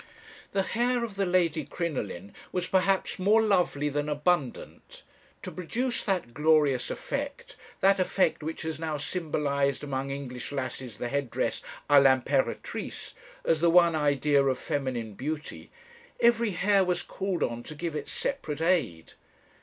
The hair of the Lady Crinoline was perhaps more lovely than abundant: to produce that glorious effect, that effect which has now symbolized among English lasses the head dress à l'imperatrice as the one idea of feminine beauty, every hair was called on to give its separate aid.